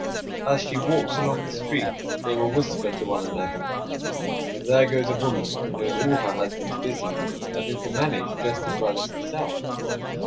As she walks along the street, they will whisper to one another: "There goes a woman who knows all her husband's business; and who can manage just as well as himself."